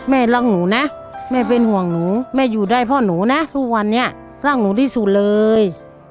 แม่รักหนูนะแม่เป็นห่วงหนูแม่อยู่ได้พ่อหนูนะทุกวันนี้รักหนูที่สุดเลย